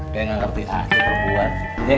dia nggak ngerti haknya terbuat